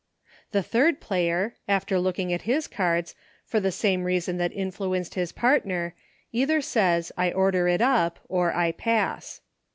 The third player, after looking at his cards, for the same reason that influ enced his partner, either says, a I order it up," or, "I pass."